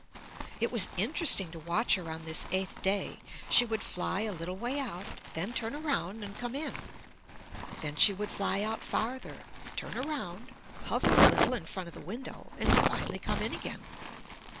It was interesting to watch her on this eighth day. She would fly a little way out, then turn around and come in. Then she would fly out farther, turn around, hover a little in front of the window, and finally come in again.